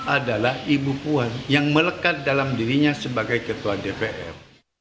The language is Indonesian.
adalah ibu puan yang melekat dalam dirinya sebagai ketua dpr